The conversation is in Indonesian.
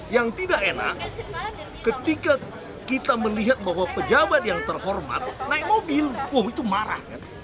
yang tidak enak ketika kita melihat bahwa pejabat yang terhormat naik mobil itu marah